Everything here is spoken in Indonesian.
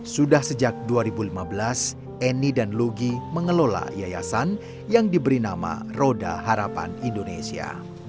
sudah sejak dua ribu lima belas eni dan lugi mengelola yayasan yang diberi nama roda harapan indonesia